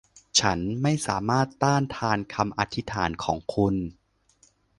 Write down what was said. ฉันไม่สามารถต้านทานคำอธิษฐานของคุณ